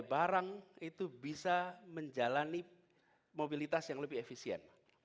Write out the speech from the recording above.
barang itu bisa menjalani mobilitas yang lebih efisien